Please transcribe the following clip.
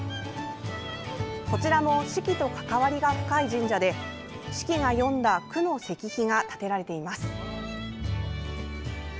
こちらも子規と関わりが深い神社で子規が詠んだ句の石碑が立てられています。